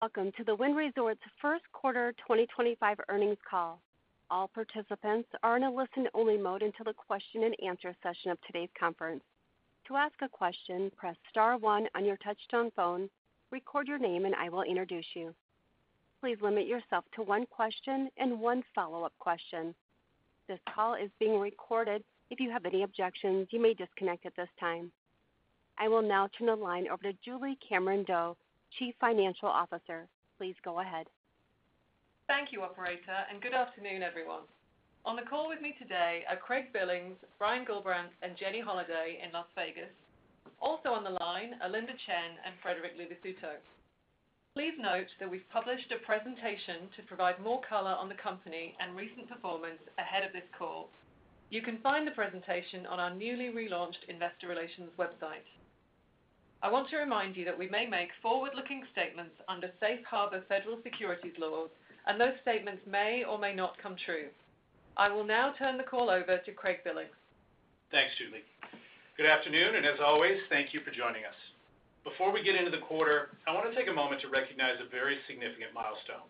Welcome to the Wynn Resorts First Quarter 2025 Earnings Call. All participants are in a listen-only mode until the question-and-answer session of today's conference. To ask a question, press star one on your touchstone phone, record your name, and I will introduce you. Please limit yourself to one question and one follow-up question. This call is being recorded. If you have any objections, you may disconnect at this time. I will now turn the line over to Julie Cameron-Doe, Chief Financial Officer. Please go ahead. Thank you, Operator, and good afternoon, everyone. On the call with me today are Craig Billings, Brian Gullbrants, and Jenny Holaday in Las Vegas. Also on the line are Linda Chen and Frederic Luvisutto. Please note that we've published a presentation to provide more color on the company and recent performance ahead of this call. You can find the presentation on our newly relaunched investor relations website. I want to remind you that we may make forward-looking statements under safe harbor federal securities laws, and those statements may or may not come true. I will now turn the call over to Craig Billings. Thanks, Julie. Good afternoon, and as always, thank you for joining us. Before we get into the quarter, I want to take a moment to recognize a very significant milestone.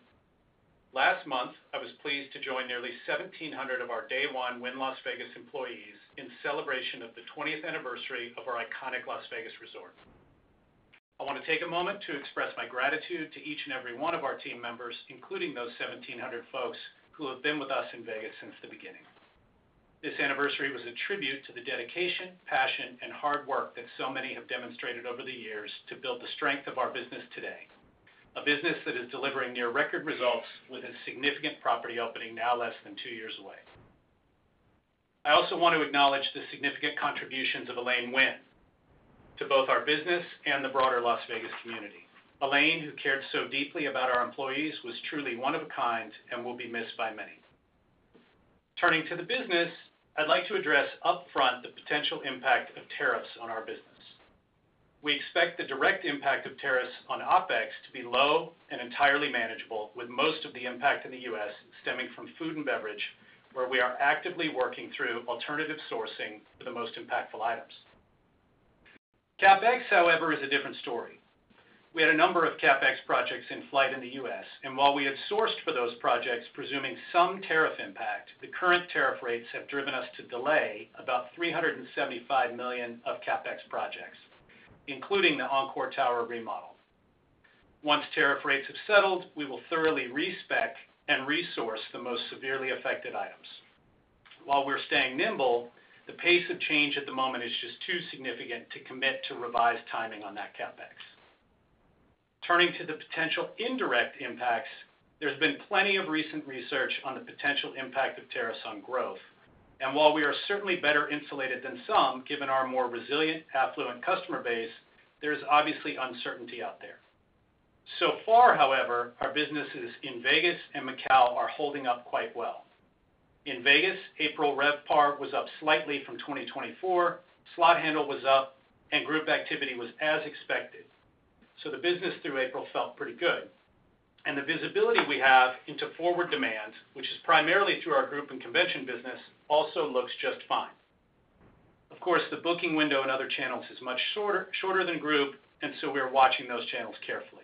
Last month, I was pleased to join nearly 1,700 of our day one Wynn Las Vegas employees in celebration of the 20th anniversary of our iconic Las Vegas resort. I want to take a moment to express my gratitude to each and every one of our team members, including those 1,700 folks who have been with us in Vegas since the beginning. This anniversary was a tribute to the dedication, passion, and hard work that so many have demonstrated over the years to build the strength of our business today, a business that is delivering near record results with a significant property opening now less than two years away. I also want to acknowledge the significant contributions of Elaine Wynn to both our business and the broader Las Vegas community. Elaine, who cared so deeply about our employees, was truly one of a kind and will be missed by many. Turning to the business, I'd like to address upfront the potential impact of tariffs on our business. We expect the direct impact of tariffs on OPEX to be low and entirely manageable, with most of the impact in the U.S. stemming from food and beverage, where we are actively working through alternative sourcing for the most impactful items. CAPEX, however, is a different story. We had a number of CAPEX projects in flight in the U.S., and while we had sourced for those projects, presuming some tariff impact, the current tariff rates have driven us to delay about $375 million of CAPEX projects, including the Encore Tower remodel. Once tariff rates have settled, we will thoroughly respect and resource the most severely affected items. While we're staying nimble, the pace of change at the moment is just too significant to commit to revised timing on that CAPEX. Turning to the potential indirect impacts, there's been plenty of recent research on the potential impact of tariffs on growth, and while we are certainly better insulated than some, given our more resilient, affluent customer base, there's obviously uncertainty out there. So far, however, our businesses in Vegas and Macau are holding up quite well. In Vegas, April RevPAR was up slightly from 2024, slot handle was up, and group activity was as expected, so the business through April felt pretty good, and the visibility we have into forward demand, which is primarily through our group and convention business, also looks just fine. Of course, the booking window in other channels is much shorter than group, and so we're watching those channels carefully.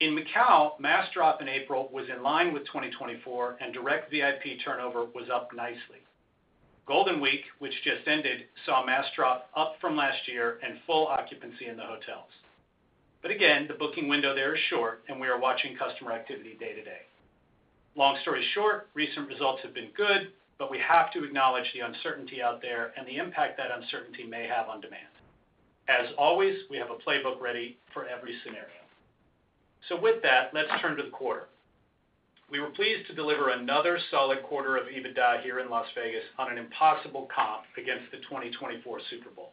In Macau, mass drop in April was in line with 2024, and direct VIP turnover was up nicely. Golden Week, which just ended, saw mass drop up from last year and full occupancy in the hotels. Again, the booking window there is short, and we are watching customer activity day to day. Long story short, recent results have been good, but we have to acknowledge the uncertainty out there and the impact that uncertainty may have on demand. As always, we have a playbook ready for every scenario. With that, let's turn to the quarter. We were pleased to deliver another solid quarter of EBITDA here in Las Vegas on an impossible comp against the 2024 Super Bowl.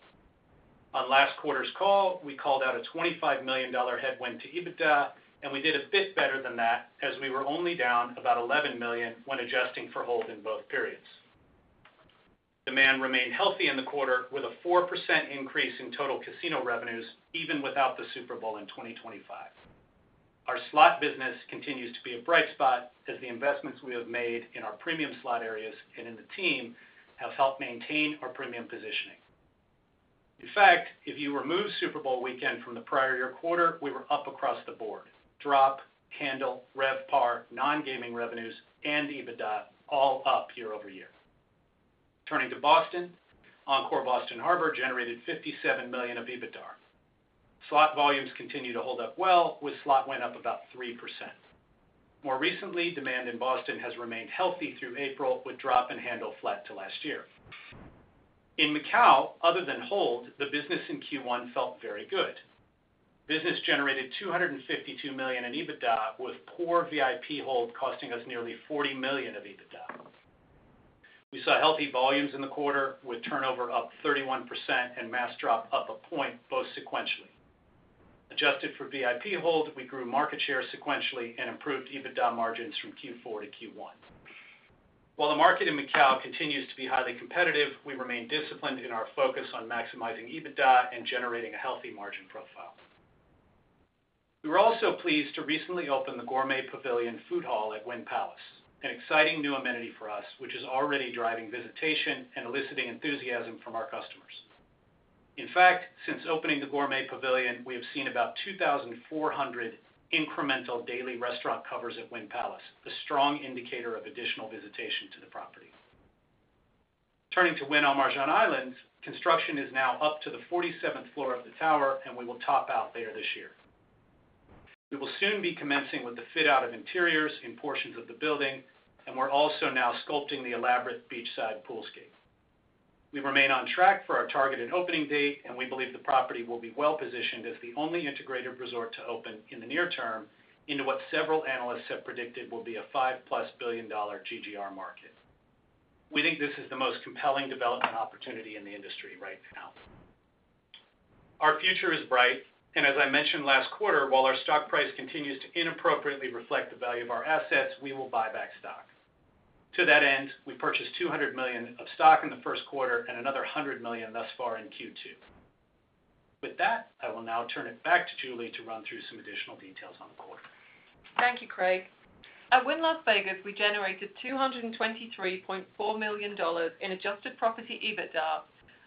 On last quarter's call, we called out a $25 million headwind to EBITDA, and we did a bit better than that as we were only down about $11 million when adjusting for hold in both periods. Demand remained healthy in the quarter, with a 4% increase in total casino revenues even without the Super Bowl in 2025. Our slot business continues to be a bright spot as the investments we have made in our premium slot areas and in the team have helped maintain our premium positioning. In fact, if you remove Super Bowl weekend from the prior year quarter, we were up across the board: drop, handle, RevPAR, non-gaming revenues, and EBITDA all up year over year. Turning to Boston, Encore Boston Harbor generated $57 million of EBITDA. Slot volumes continue to hold up well, with slot win up about 3%. More recently, demand in Boston has remained healthy through April, with drop and handle flat to last year. In Macau, other than hold, the business in Q1 felt very good. Business generated $252 million in EBITDA, with poor VIP hold costing us nearly $40 million of EBITDA. We saw healthy volumes in the quarter, with turnover up 31% and mass drop up a point both sequentially. Adjusted for VIP hold, we grew market share sequentially and improved EBITDA margins from Q4 to Q1. While the market in Macau continues to be highly competitive, we remain disciplined in our focus on maximizing EBITDA and generating a healthy margin profile. We were also pleased to recently open the Gourmet Pavilion Food Hall at Wynn Palace, an exciting new amenity for us, which is already driving visitation and eliciting enthusiasm from our customers. In fact, since opening the Gourmet Pavilion, we have seen about 2,400 incremental daily restaurant covers at Wynn Palace, a strong indicator of additional visitation to the property. Turning to Wynn Al Marjan Island, construction is now up to the 47th floor of the tower, and we will top out later this year. We will soon be commencing with the fit-out of interiors in portions of the building, and we're also now sculpting the elaborate beachside pool scheme. We remain on track for our targeted opening date, and we believe the property will be well positioned as the only integrated resort to open in the near term into what several analysts have predicted will be a $5 billion-plus GGR market. We think this is the most compelling development opportunity in the industry right now. Our future is bright, and as I mentioned last quarter, while our stock price continues to inappropriately reflect the value of our assets, we will buy back stock. To that end, we purchased $200 million of stock in the first quarter and another $100 million thus far in Q2. With that, I will now turn it back to Julie to run through some additional details on the quarter. Thank you, Craig. At Wynn Las Vegas, we generated $223.4 million in adjusted property EBITDA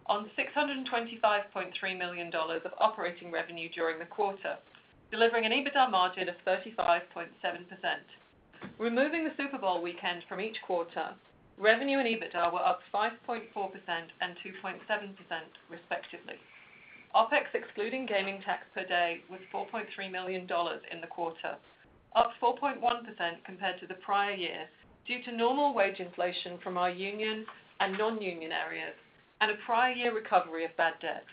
on $625.3 million of operating revenue during the quarter, delivering an EBITDA margin of 35.7%. Removing the Super Bowl weekend from each quarter, revenue and EBITDA were up 5.4% and 2.7%, respectively. OPEX excluding gaming tax per day was $4.3 million in the quarter, up 4.1% compared to the prior year due to normal wage inflation from our union and non-union areas and a prior year recovery of bad debt.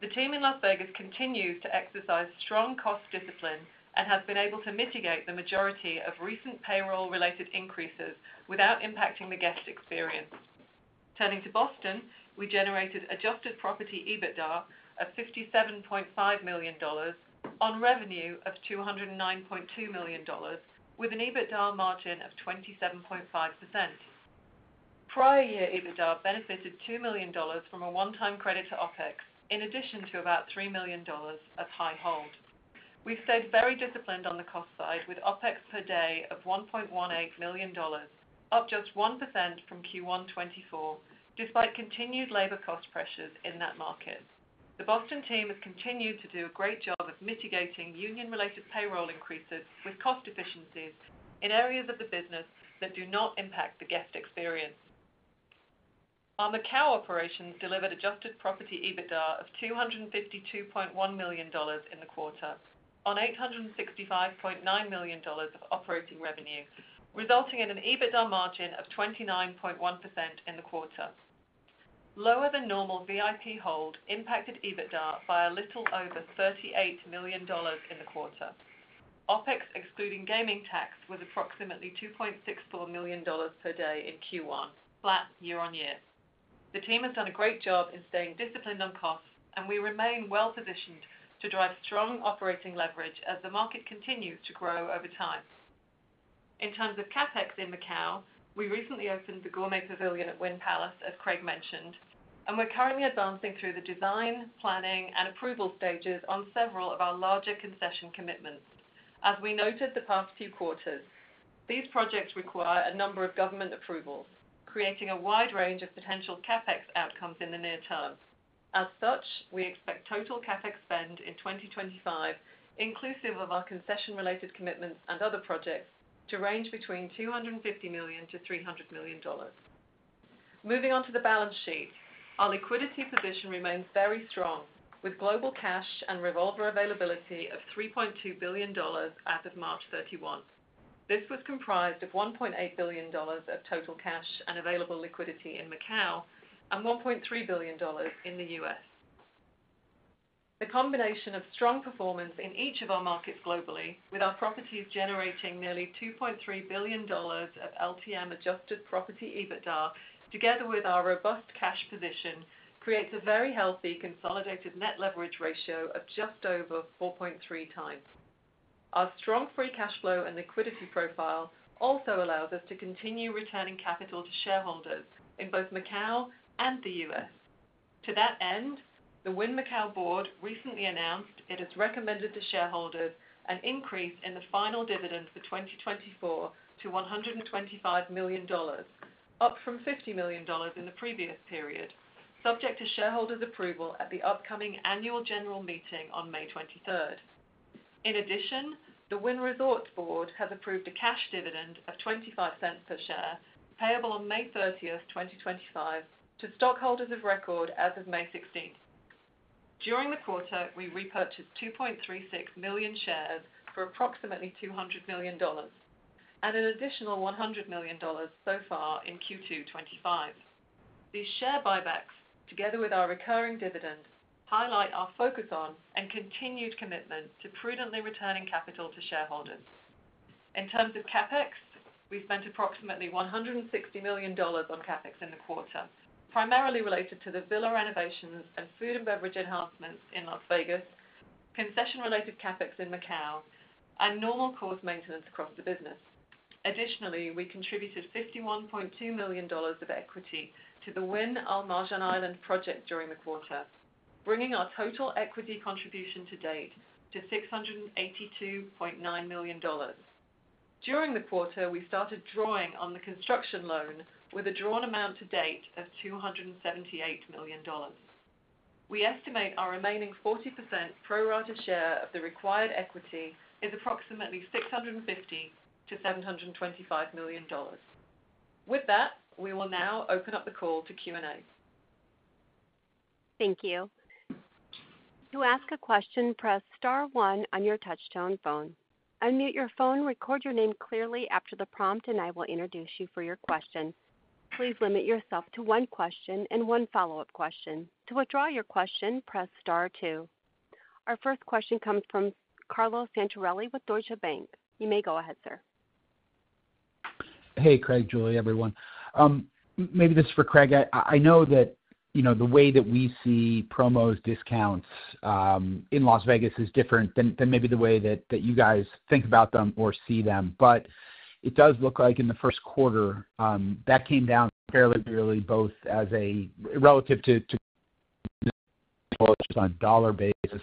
The team in Las Vegas continues to exercise strong cost discipline and has been able to mitigate the majority of recent payroll-related increases without impacting the guest experience. Turning to Boston, we generated adjusted property EBITDA of $57.5 million on revenue of $209.2 million, with an EBITDA margin of 27.5%. Prior year EBITDA benefited $2 million from a one-time credit to OPEX, in addition to about $3 million of high hold. We've stayed very disciplined on the cost side, with OPEX per day of $1.18 million, up just 1% from Q1 2024, despite continued labor cost pressures in that market. The Boston team has continued to do a great job of mitigating union-related payroll increases with cost efficiencies in areas of the business that do not impact the guest experience. Our Macau operations delivered adjusted property EBITDA of $252.1 million in the quarter on $865.9 million of operating revenue, resulting in an EBITDA margin of 29.1% in the quarter. Lower than normal VIP hold impacted EBITDA by a little over $38 million in the quarter. OPEX excluding gaming tax was approximately $2.64 million per day in Q1, flat year on year. The team has done a great job in staying disciplined on costs, and we remain well positioned to drive strong operating leverage as the market continues to grow over time. In terms of CAPEX in Macau, we recently opened the Gourmet Pavilion at Wynn Palace, as Craig mentioned, and we're currently advancing through the design, planning, and approval stages on several of our larger concession commitments. As we noted the past few quarters, these projects require a number of government approvals, creating a wide range of potential CAPEX outcomes in the near term. As such, we expect total CAPEX spend in 2025, inclusive of our concession-related commitments and other projects, to range between $250 million-$300 million. Moving on to the balance sheet, our liquidity position remains very strong, with global cash and revolver availability of $3.2 billion as of March 31, 2024. This was comprised of $1.8 billion of total cash and available liquidity in Macau and $1.3 billion in the US. The combination of strong performance in each of our markets globally, with our properties generating nearly $2.3 billion of LTM adjusted property EBITDA, together with our robust cash position, creates a very healthy consolidated net leverage ratio of just over 4.3 times. Our strong free cash flow and liquidity profile also allows us to continue returning capital to shareholders in both Macau and the US. To that end, the Wynn Macau board recently announced it has recommended to shareholders an increase in the final dividend for 2024 to $125 million, up from $50 million in the previous period, subject to shareholders' approval at the upcoming annual general meeting on May 23rd. In addition, the Wynn Resorts board has approved a cash dividend of $0.25 per share, payable on May 30, 2025, to stockholders of record as of May 16. During the quarter, we repurchased 2.36 million shares for approximately $200 million, and an additional $100 million so far in Q2 2025. These share buybacks, together with our recurring dividend, highlight our focus on and continued commitment to prudently returning capital to shareholders. In terms of CAPEX, we spent approximately $160 million on CAPEX in the quarter, primarily related to the villa renovations and food and beverage enhancements in Las Vegas, concession-related CAPEX in Macau, and normal course maintenance across the business. Additionally, we contributed $51.2 million of equity to the Wynn Al Marjan Island project during the quarter, bringing our total equity contribution to date to $682.9 million. During the quarter, we started drawing on the construction loan with a drawn amount to date of $278 million. We estimate our remaining 40% pro rata share of the required equity is approximately $650-$725 million. With that, we will now open up the call to Q&A. Thank you. To ask a question, press star one on your touchtone phone. Unmute your phone, record your name clearly after the prompt, and I will introduce you for your question. Please limit yourself to one question and one follow-up question. To withdraw your question, press star two. Our first question comes from Carlo Santarelli with Deutsche Bank. You may go ahead, sir. Hey, Craig, Julie, everyone. Maybe this is for Craig. I know that the way that we see promos, discounts in Las Vegas is different than maybe the way that you guys think about them or see them, but it does look like in the first quarter that came down fairly early, both as a relative to just on a dollar basis.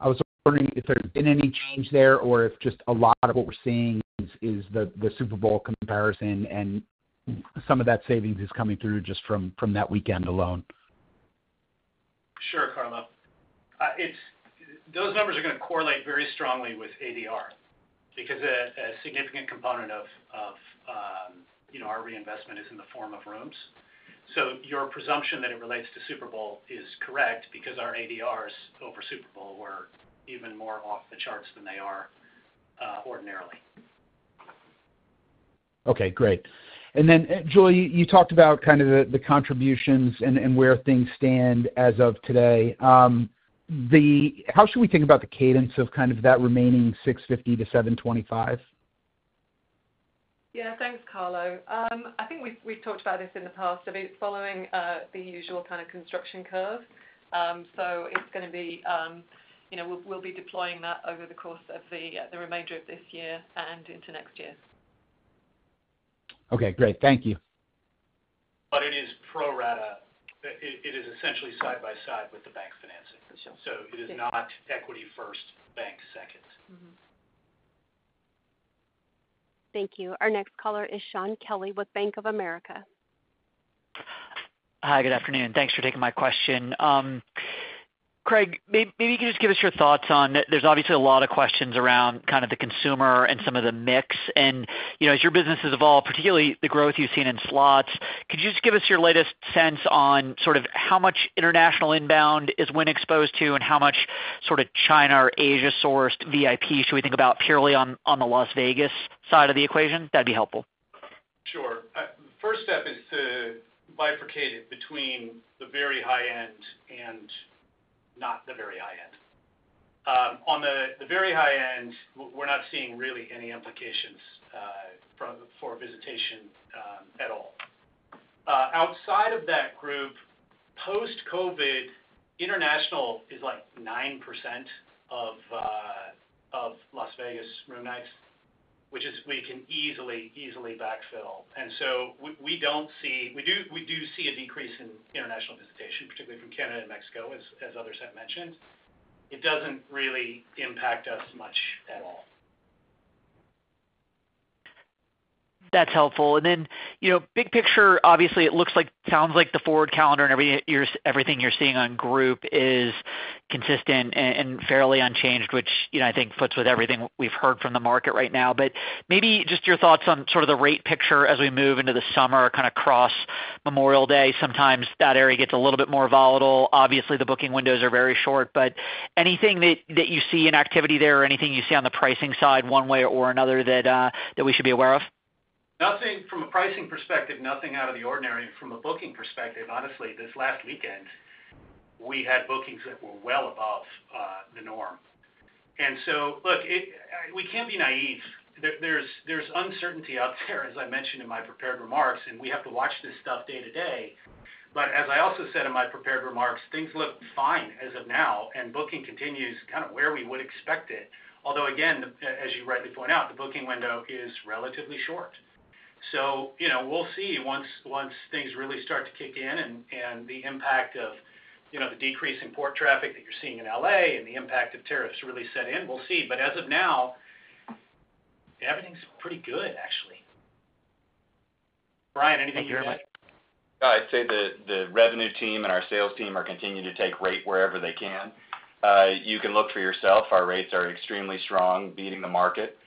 I was wondering if there's been any change there or if just a lot of what we're seeing is the Super Bowl comparison and some of that savings is coming through just from that weekend alone. Sure, Carlo. Those numbers are going to correlate very strongly with ADR because a significant component of our reinvestment is in the form of rooms. So your presumption that it relates to Super Bowl is correct because our ADRs over Super Bowl were even more off the charts than they are ordinarily. Okay, great. Julie, you talked about kind of the contributions and where things stand as of today. How should we think about the cadence of kind of that remaining $650-$725? Yeah, thanks, Carlo. I think we've talked about this in the past. It's following the usual kind of construction curve. It is going to be we'll be deploying that over the course of the remainder of this year and into next year. Okay, great. Thank you. It is pro rata. It is essentially side by side with the bank financing. It is not equity first, bank second. Thank you. Our next caller is Sean Kelly with Bank of America. Hi, good afternoon. Thanks for taking my question. Craig, maybe you could just give us your thoughts on there's obviously a lot of questions around kind of the consumer and some of the mix. As your business has evolved, particularly the growth you've seen in slots, could you just give us your latest sense on sort of how much international inbound is Wynn exposed to and how much sort of China or Asia-sourced VIP should we think about purely on the Las Vegas side of the equation? That'd be helpful. Sure. First step is to bifurcate it between the very high end and not the very high end. On the very high end, we're not seeing really any implications for visitation at all. Outside of that group, post-COVID, international is like 9% of Las Vegas room nights, which we can easily backfill. We do see a decrease in international visitation, particularly from Canada and Mexico, as others have mentioned. It doesn't really impact us much at all. That's helpful. Obviously, it looks like, sounds like the forward calendar and everything you're seeing on group is consistent and fairly unchanged, which I think fits with everything we've heard from the market right now. Maybe just your thoughts on sort of the rate picture as we move into the summer, kind of cross Memorial Day. Sometimes that area gets a little bit more volatile. Obviously, the booking windows are very short, but anything that you see in activity there or anything you see on the pricing side one way or another that we should be aware of? From a pricing perspective, nothing out of the ordinary. From a booking perspective, honestly, this last weekend, we had bookings that were well above the norm. Look, we can't be naive. There's uncertainty out there, as I mentioned in my prepared remarks, and we have to watch this stuff day to day. As I also said in my prepared remarks, things look fine as of now, and booking continues kind of where we would expect it. Although, again, as you rightly point out, the booking window is relatively short. We will see once things really start to kick in and the impact of the decrease in port traffic that you're seeing in Los Angeles and the impact of tariffs really set in, we will see. As of now, everything's pretty good, actually. Brian, anything you can? Yeah, I'd say the revenue team and our sales team are continuing to take rate wherever they can. You can look for yourself. Our rates are extremely strong, beating the market.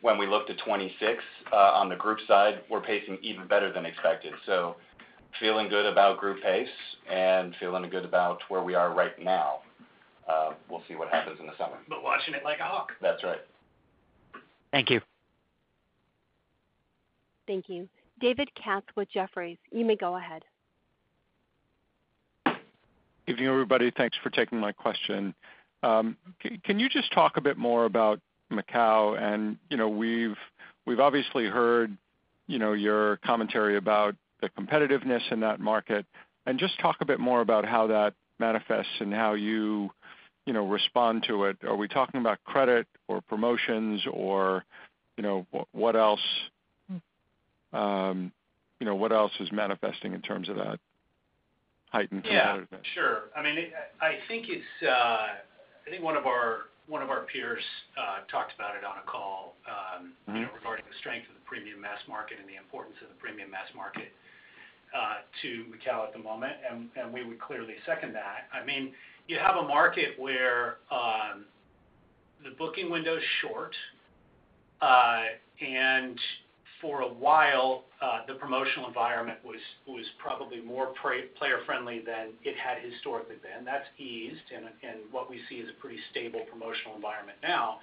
When we look to 2026 on the group side, we're pacing even better than expected. Feeling good about group pace and feeling good about where we are right now. We'll see what happens in the summer. Watching it like a hawk. That's right. Thank you. Thank you. David Katz with Jefferies, you may go ahead. Good evening, everybody. Thanks for taking my question. Can you just talk a bit more about Macau? We've obviously heard your commentary about the competitiveness in that market. Just talk a bit more about how that manifests and how you respond to it. Are we talking about credit or promotions or what else? What else is manifesting in terms of that heightened competitiveness? Yeah, sure. I mean, I think one of our peers talked about it on a call regarding the strength of the premium mass market and the importance of the premium mass market to Macau at the moment. We would clearly second that. I mean, you have a market where the booking window is short, and for a while, the promotional environment was probably more player-friendly than it had historically been. That has eased, and what we see is a pretty stable promotional environment now.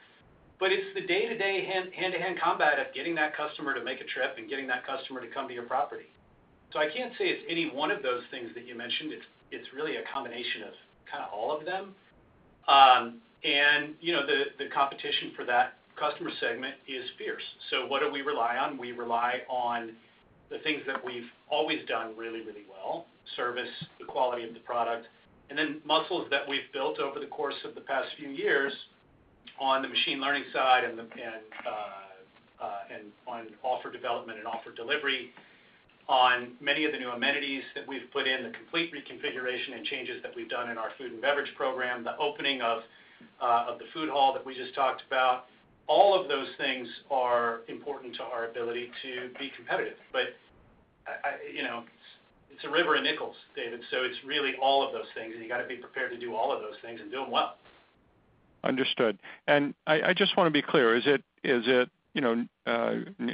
It is the day-to-day hand-to-hand combat of getting that customer to make a trip and getting that customer to come to your property. I can't say it is any one of those things that you mentioned. It is really a combination of kind of all of them. The competition for that customer segment is fierce. What do we rely on? We rely on the things that we've always done really, really well: service, the quality of the product, and then muscles that we've built over the course of the past few years on the machine learning side and on offer development and offer delivery on many of the new amenities that we've put in, the complete reconfiguration and changes that we've done in our food and beverage program, the opening of the food hall that we just talked about. All of those things are important to our ability to be competitive. It is a river of nickels, David. It is really all of those things, and you got to be prepared to do all of those things and do them well. Understood. I just want to be clear. Is it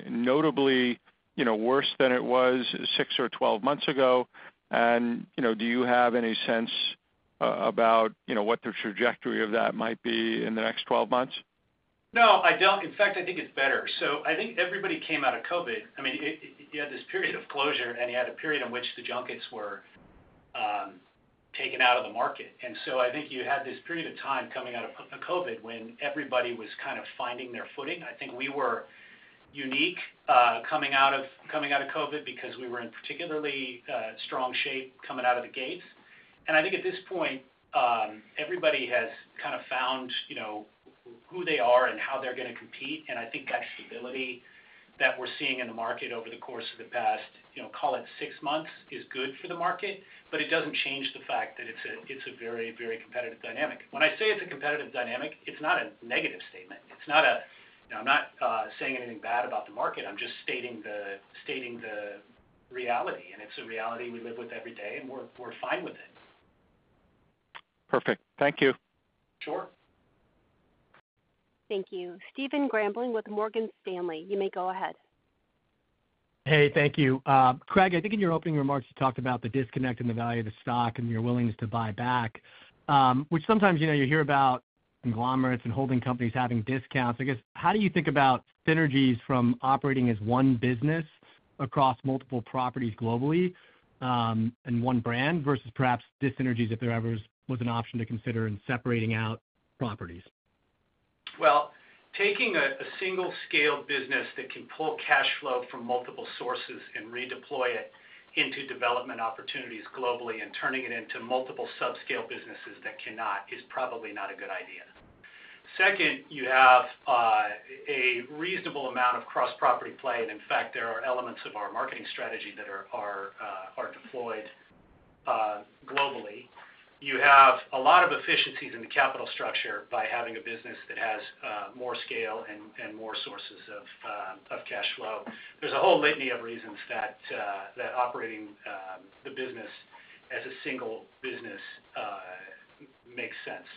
notably worse than it was 6 or 12 months ago? Do you have any sense about what the trajectory of that might be in the next 12 months? No, I don't. In fact, I think it's better. I think everybody came out of COVID. I mean, you had this period of closure, and you had a period in which the junkets were taken out of the market. I think you had this period of time coming out of COVID when everybody was kind of finding their footing. I think we were unique coming out of COVID because we were in particularly strong shape coming out of the gates. I think at this point, everybody has kind of found who they are and how they're going to compete. I think that stability that we're seeing in the market over the course of the past, call it six months, is good for the market, but it doesn't change the fact that it's a very, very competitive dynamic. When I say it's a competitive dynamic, it's not a negative statement. I'm not saying anything bad about the market. I'm just stating the reality, and it's a reality we live with every day, and we're fine with it. Perfect. Thank you. Sure. Thank you. Stephen Grambling with Morgan Stanley, you may go ahead. Hey, thank you. Craig, I think in your opening remarks, you talked about the disconnect in the value of the stock and your willingness to buy back, which sometimes you hear about conglomerates and holding companies having discounts. I guess, how do you think about synergies from operating as one business across multiple properties globally and one brand versus perhaps disynergies if there ever was an option to consider in separating out properties? Taking a single-scale business that can pull cash flow from multiple sources and redeploy it into development opportunities globally and turning it into multiple subscale businesses that cannot is probably not a good idea. Second, you have a reasonable amount of cross-property play. In fact, there are elements of our marketing strategy that are deployed globally. You have a lot of efficiencies in the capital structure by having a business that has more scale and more sources of cash flow. There is a whole litany of reasons that operating the business as a single business makes sense.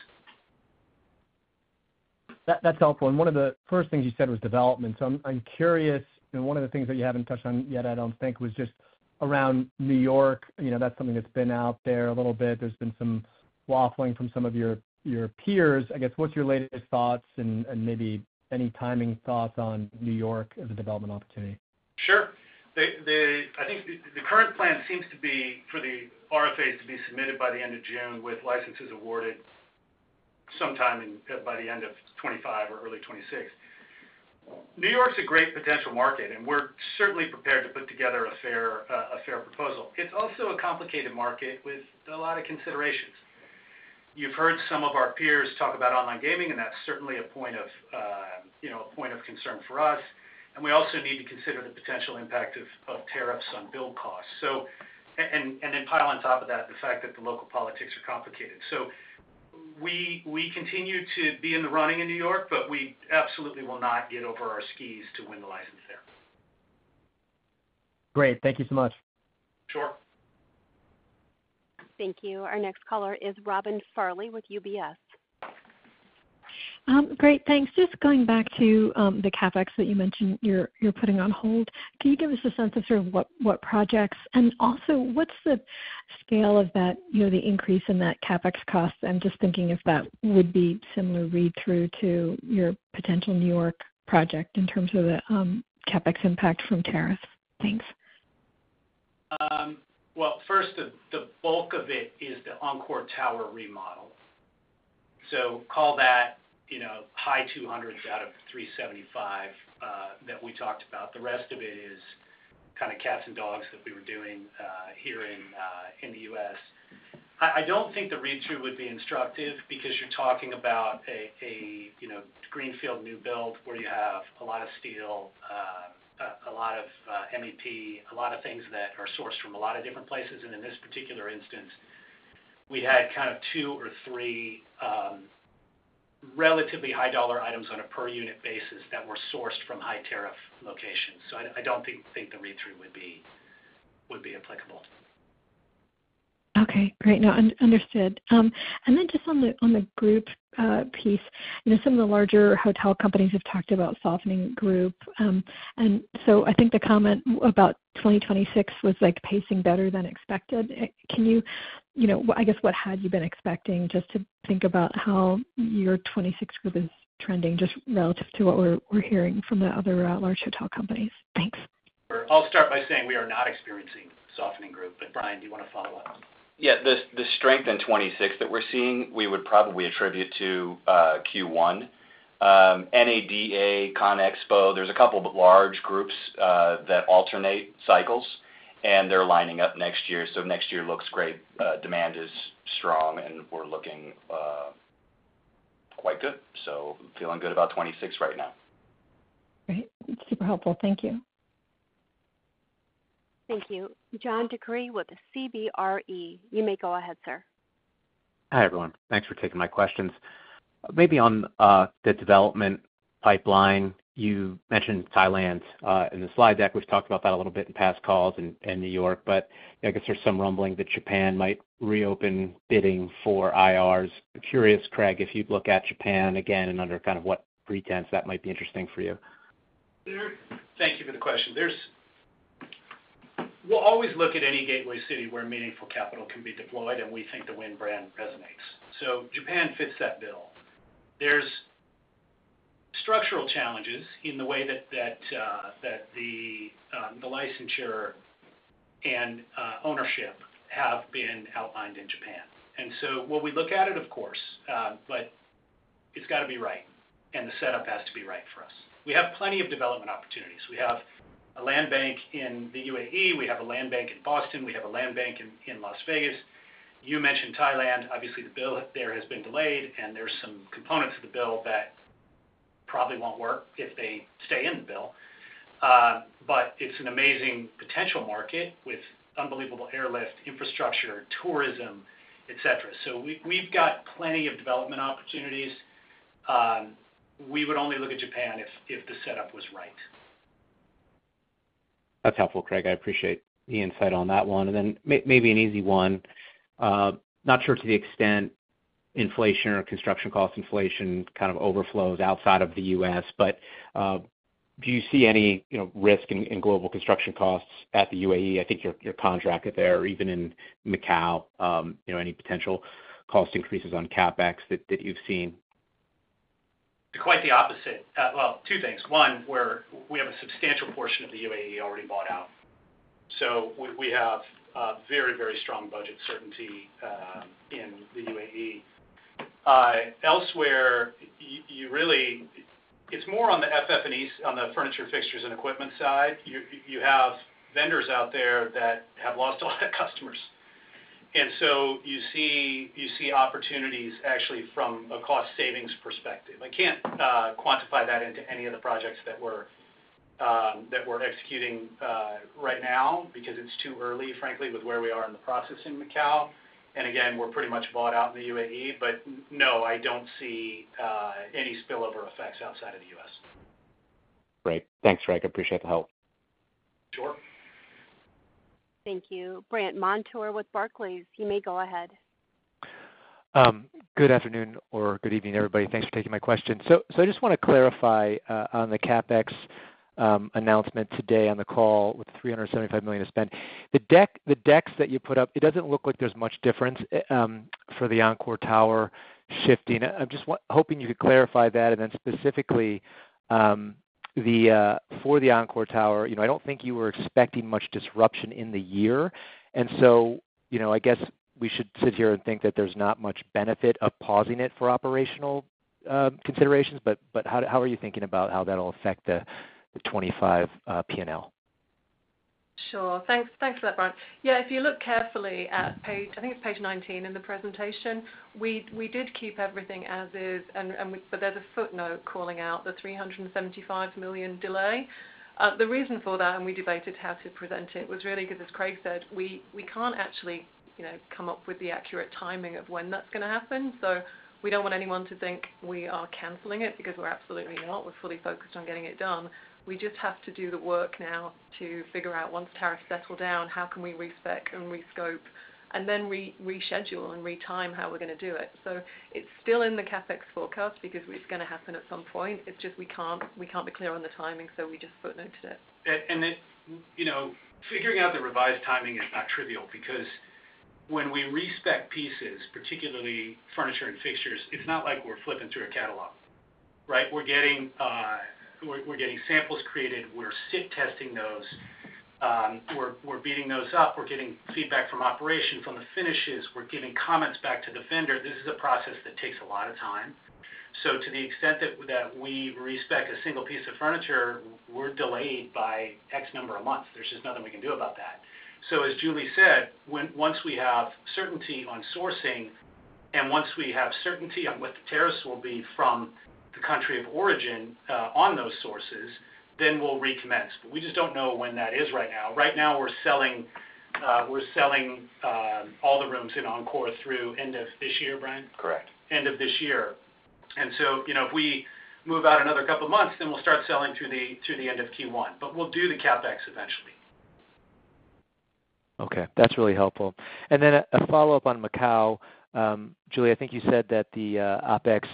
That's helpful. One of the first things you said was development. I'm curious, one of the things that you haven't touched on yet, I don't think, was just around New York. That's something that's been out there a little bit. There's been some waffling from some of your peers. I guess, what's your latest thoughts and maybe any timing thoughts on New York as a development opportunity? Sure. I think the current plan seems to be for the RFAs to be submitted by the end of June with licenses awarded sometime by the end of 2025 or early 2026. New York's a great potential market, and we're certainly prepared to put together a fair proposal. It's also a complicated market with a lot of considerations. You've heard some of our peers talk about online gaming, and that's certainly a point of concern for us. We also need to consider the potential impact of tariffs on build costs. Pile on top of that the fact that the local politics are complicated. We continue to be in the running in New York, but we absolutely will not get over our skis to win the license there. Great. Thank you so much. Sure. Thank you. Our next caller is Robin Farley with UBS. Great. Thanks. Just going back to the CapEx that you mentioned you're putting on hold, can you give us a sense of sort of what projects and also what's the scale of the increase in that CapEx cost? I'm just thinking if that would be similar read-through to your potential New York project in terms of the CapEx impact from tariffs. Thanks. First, the bulk of it is the Encore Tower remodel. Call that high $200 million out of $375 million that we talked about. The rest of it is kind of cats and dogs that we were doing here in the U.S. I don't think the read-through would be instructive because you're talking about a greenfield new build where you have a lot of steel, a lot of MEP, a lot of things that are sourced from a lot of different places. In this particular instance, we had two or three relatively high-dollar items on a per-unit basis that were sourced from high tariff locations. I don't think the read-through would be applicable. Okay. Great. No, understood. Just on the group piece, some of the larger hotel companies have talked about softening group. I think the comment about 2026 was pacing better than expected. Can you, I guess, what had you been expecting just to think about how your 2026 group is trending just relative to what we're hearing from the other large hotel companies? Thanks. I'll start by saying we are not experiencing softening group. Brian, do you want to follow up? Yeah. The strength in 2026 that we're seeing, we would probably attribute to Q1. NADA, Conexpo, there's a couple of large groups that alternate cycles, and they're lining up next year. Next year looks great. Demand is strong, and we're looking quite good. Feeling good about 2026 right now. Great. Super helpful. Thank you. Thank you. John DeCree with CBRE. You may go ahead, sir. Hi, everyone. Thanks for taking my questions. Maybe on the development pipeline, you mentioned Thailand in the slide deck. We've talked about that a little bit in past calls in New York, but I guess there's some rumbling that Japan might reopen bidding for IRs. Curious, Craig, if you'd look at Japan again and under kind of what pretense that might be interesting for you. Thank you for the question. We'll always look at any gateway city where meaningful capital can be deployed, and we think the Wynn brand resonates. Japan fits that bill. There are structural challenges in the way that the licensure and ownership have been outlined in Japan. Will we look at it? Of course, but it's got to be right, and the setup has to be right for us. We have plenty of development opportunities. We have a land bank in the UAE. We have a land bank in Boston. We have a land bank in Las Vegas. You mentioned Thailand. Obviously, the bill there has been delayed, and there are some components of the bill that probably won't work if they stay in the bill. It is an amazing potential market with unbelievable airlift, infrastructure, tourism, etc. We have plenty of development opportunities. We would only look at Japan if the setup was right. That's helpful, Craig. I appreciate the insight on that one. Maybe an easy one. Not sure to the extent inflation or construction cost inflation kind of overflows outside of the U.S., but do you see any risk in global construction costs at the UAE? I think you're contracted there, or even in Macau, any potential cost increases on CapEx that you've seen? Quite the opposite. Two things. One, we have a substantial portion of the UAE already bought out. We have very, very strong budget certainty in the UAE Elsewhere, it is more on the FF&E, on the furniture, fixtures, and equipment side. You have vendors out there that have lost a lot of customers. You see opportunities actually from a cost savings perspective. I cannot quantify that into any of the projects that we are executing right now because it is too early, frankly, with where we are in the process in Macau. Again, we are pretty much bought out in the UAE No, I do not see any spillover effects outside of the U.S. Great. Thanks, Craig. Appreciate the help. Sure. Thank you. Brandt Montour with Barclays. You may go ahead. Good afternoon or good evening, everybody. Thanks for taking my question. I just want to clarify on the CapEx announcement today on the call with $375 million to spend. The decks that you put up, it does not look like there is much difference for the Encore Tower shifting. I am just hoping you could clarify that. Specifically for the Encore Tower, I do not think you were expecting much disruption in the year. I guess we should sit here and think that there is not much benefit of pausing it for operational considerations. How are you thinking about how that will affect the 2025 P&L? Sure. Thanks for that, Brian. Yeah. If you look carefully at page, I think it's page 19 in the presentation, we did keep everything as is. There's a footnote calling out the $375 million delay. The reason for that, and we debated how to present it, was really because, as Craig said, we can't actually come up with the accurate timing of when that's going to happen. We don't want anyone to think we are canceling it because we're absolutely not. We're fully focused on getting it done. We just have to do the work now to figure out once tariffs settle down, how can we respect and rescope and then reschedule and retime how we're going to do it. It's still in the CapEx forecast because it's going to happen at some point. It's just we can't be clear on the timing, so we just footnoted it. Figuring out the revised timing is not trivial because when we re-spec pieces, particularly furniture and fixtures, it's not like we're flipping through a catalog, right? We're getting samples created. We're sit testing those. We're beating those up. We're getting feedback from operations on the finishes. We're giving comments back to the vendor. This is a process that takes a lot of time. To the extent that we re-spec a single piece of furniture, we're delayed by X number of months. There's just nothing we can do about that. As Julie said, once we have certainty on sourcing and once we have certainty on what the tariffs will be from the country of origin on those sources, we'll recommence. We just don't know when that is right now. Right now, we're selling all the rooms in Encore through end of this year, Brian? Correct. End of this year. If we move out another couple of months, then we'll start selling through the end of Q1. We'll do the CapEx eventually. Okay. That's really helpful. A follow-up on Macau. Julie, I think you said that the OpEx x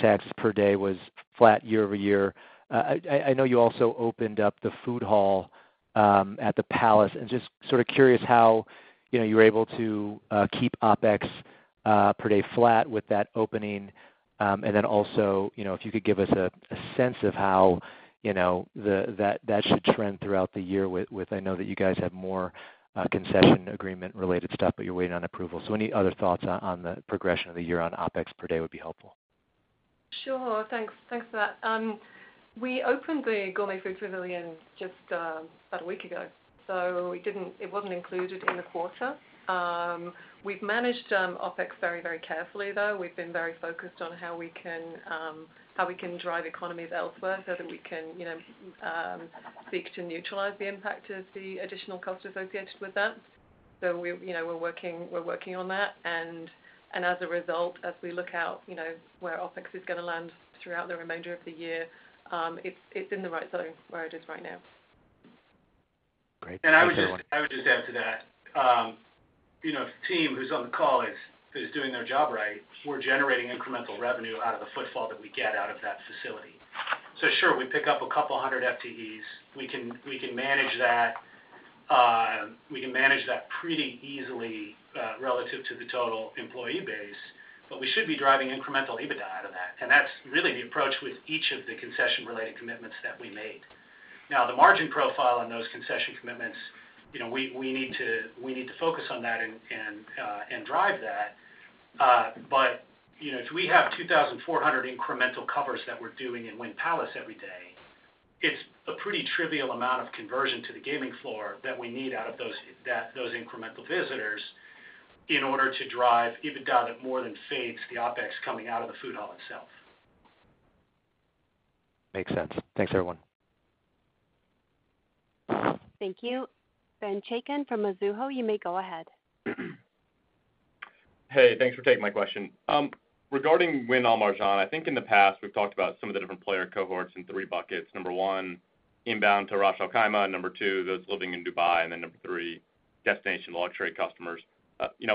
tax per day was flat year over year. I know you also opened up the food hall at the Palace. Just sort of curious how you were able to keep OpEx per day flat with that opening. If you could give us a sense of how that should trend throughout the year with, I know that you guys have more concession agreement-related stuff, but you're waiting on approval. Any other thoughts on the progression of the year on OpEx per day would be helpful. Sure. Thanks for that. We opened the Gourmet Pavilion Food Hall just about a week ago, so it wasn't included in the quarter. We've managed OpEx very, very carefully, though. We've been very focused on how we can drive economies elsewhere so that we can seek to neutralize the impact of the additional cost associated with that. We're working on that. As a result, as we look out where OpEx is going to land throughout the remainder of the year, it's in the right zone where it is right now. Great. I would just add to that. The team who's on the call is doing their job right. We're generating incremental revenue out of the footfall that we get out of that facility. Sure, we pick up a couple hundred FTEs. We can manage that. We can manage that pretty easily relative to the total employee base, but we should be driving incremental EBITDA out of that. That's really the approach with each of the concession-related commitments that we made. Now, the margin profile on those concession commitments, we need to focus on that and drive that. If we have 2,400 incremental covers that we're doing in Wynn Palace every day, it's a pretty trivial amount of conversion to the gaming floor that we need out of those incremental visitors in order to drive EBITDA that more than fades the OpEx coming out of the food hall itself. Makes sense. Thanks, everyone. Thank you. Ben Chaiken from Mizuho, you may go ahead. Hey, thanks for taking my question. Regarding Wynn Al Marjan Island, I think in the past we've talked about some of the different player cohorts in three buckets. Number one, inbound to Ras Al-Khaimah. Number two, those living in Dubai. Number three, destination luxury customers.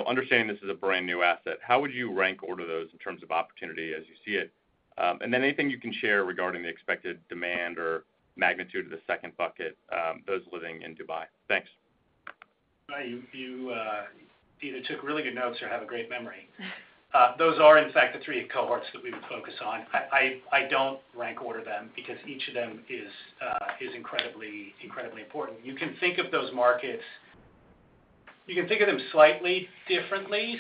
Understanding this is a brand new asset, how would you rank order those in terms of opportunity as you see it? Anything you can share regarding the expected demand or magnitude of the second bucket, those living in Dubai? Thanks. Right. You either took really good notes or have a great memory. Those are, in fact, the three cohorts that we would focus on. I do not rank order them because each of them is incredibly important. You can think of those markets, you can think of them slightly differently.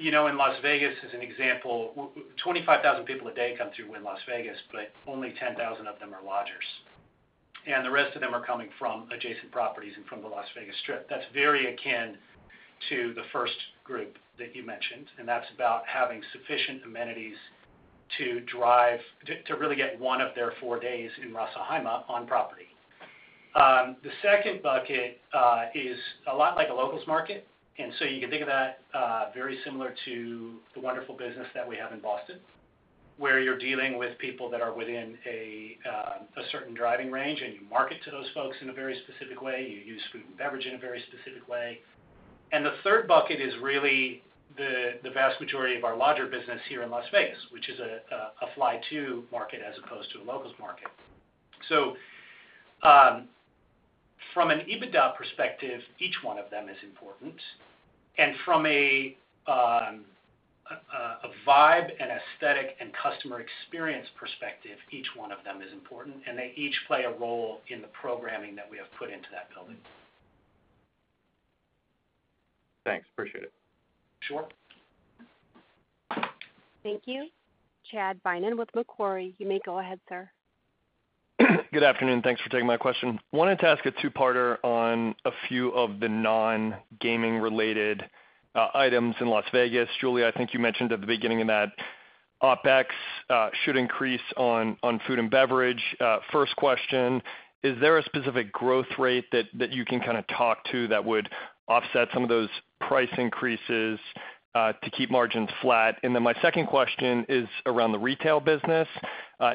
In Las Vegas, as an example, 25,000 people a day come through Wynn Las Vegas, but only 10,000 of them are lodgers. The rest of them are coming from adjacent properties and from the Las Vegas Strip. That is very akin to the first group that you mentioned. That is about having sufficient amenities to really get one of their four days in Ras Al-Khaimah on property. The second bucket is a lot like a local's market. You can think of that very similar to the wonderful business that we have in Boston, where you're dealing with people that are within a certain driving range, and you market to those folks in a very specific way. You use food and beverage in a very specific way. The third bucket is really the vast majority of our lodger business here in Las Vegas, which is a fly-to market as opposed to a local's market. From an EBITDA perspective, each one of them is important. From a vibe and aesthetic and customer experience perspective, each one of them is important. They each play a role in the programming that we have put into that building. Thanks. Appreciate it. Sure. Thank you. Chad Beynon with Macquarie. You may go ahead, sir. Good afternoon. Thanks for taking my question. Wanted to ask a two-parter on a few of the non-gaming-related items in Las Vegas. Julie, I think you mentioned at the beginning that OpEx should increase on food and beverage. First question, is there a specific growth rate that you can kind of talk to that would offset some of those price increases to keep margins flat? My second question is around the retail business.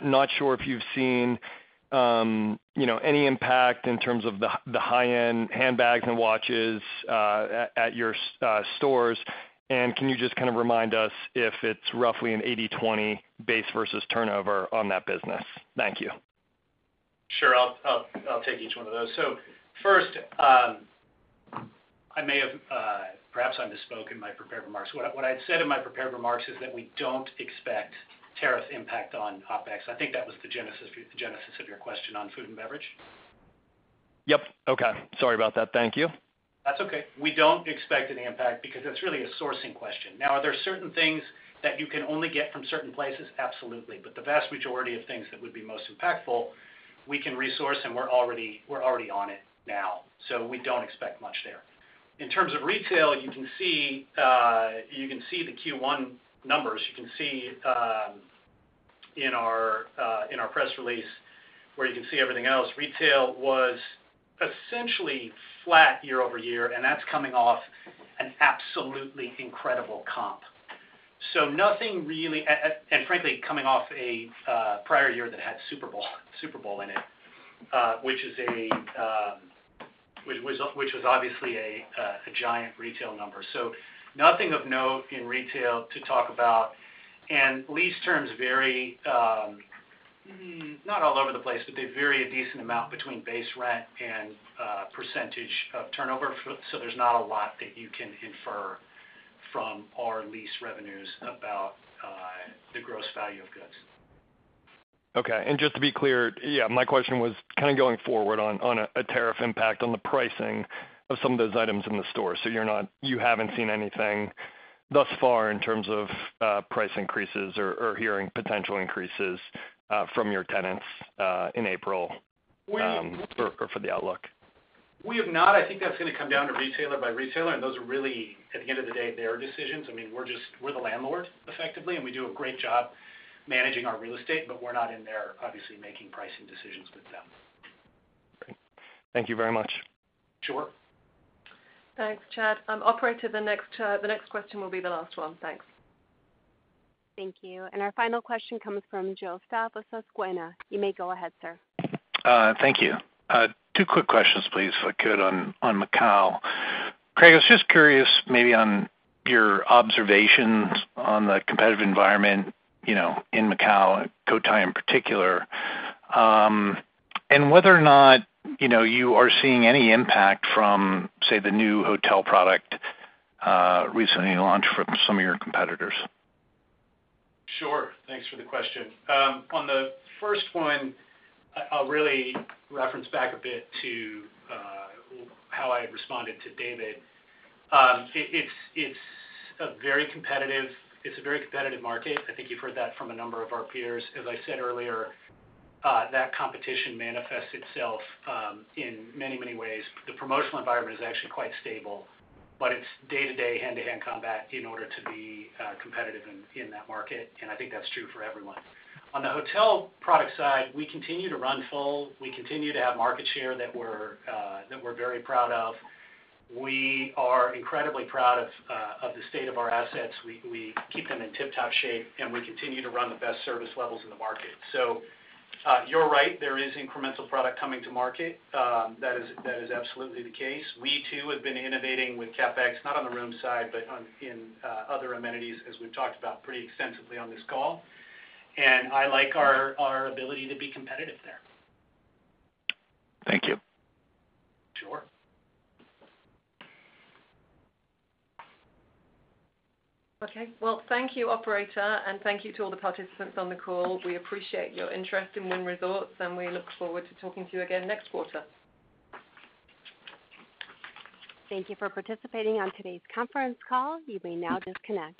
Not sure if you've seen any impact in terms of the high-end handbags and watches at your stores. Can you just kind of remind us if it's roughly an 80/20 base versus turnover on that business? Thank you. Sure. I'll take each one of those. First, I may have, perhaps I misspoke in my prepared remarks. What I said in my prepared remarks is that we do not expect tariff impact on OpEx. I think that was the genesis of your question on food and beverage. Yep. Okay. Sorry about that. Thank you. That's okay. We don't expect an impact because that's really a sourcing question. Now, are there certain things that you can only get from certain places? Absolutely. But the vast majority of things that would be most impactful, we can resource, and we're already on it now. We don't expect much there. In terms of retail, you can see the Q1 numbers. You can see in our press release where you can see everything else. Retail was essentially flat year over year, and that's coming off an absolutely incredible comp. Nothing really and frankly, coming off a prior year that had Super Bowl in it, which was obviously a giant retail number. Nothing of note in retail to talk about. Lease terms vary not all over the place, but they vary a decent amount between base rent and percentage of turnover. There is not a lot that you can infer from our lease revenues about the gross value of goods. Okay. Just to be clear, yeah, my question was kind of going forward on a tariff impact on the pricing of some of those items in the store. You have not seen anything thus far in terms of price increases or hearing potential increases from your tenants in April or for the outlook? We have not. I think that's going to come down to retailer by retailer. Those are really, at the end of the day, their decisions. I mean, we're the landlord, effectively, and we do a great job managing our real estate, but we're not in there, obviously, making pricing decisions with them. Great. Thank you very much. Sure. Thanks, Chad. I'm operative. The next question will be the last one. Thanks. Thank you. Our final question comes from Joe Stauff. You may go ahead, sir. Thank you. Two quick questions, please, if I could, on Macau. Craig, I was just curious maybe on your observations on the competitive environment in Macau, Cotai in particular, and whether or not you are seeing any impact from, say, the new hotel product recently launched from some of your competitors. Sure. Thanks for the question. On the first one, I'll really reference back a bit to how I responded to David. It's a very competitive market. I think you've heard that from a number of our peers. As I said earlier, that competition manifests itself in many, many ways. The promotional environment is actually quite stable, but it's day-to-day hand-to-hand combat in order to be competitive in that market. I think that's true for everyone. On the hotel product side, we continue to run full. We continue to have market share that we're very proud of. We are incredibly proud of the state of our assets. We keep them in tip-top shape, and we continue to run the best service levels in the market. You're right. There is incremental product coming to market. That is absolutely the case. We, too, have been innovating with CapEx, not on the room side, but in other amenities, as we've talked about pretty extensively on this call. I like our ability to be competitive there. Thank you. Sure. Okay. Thank you, operator, and thank you to all the participants on the call. We appreciate your interest in Wynn Resorts, and we look forward to talking to you again next quarter. Thank you for participating on today's conference call. You may now disconnect.